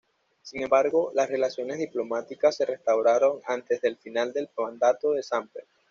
Sin embargo, las relaciones diplomáticas se restauraron antes del final del mandato de Samper.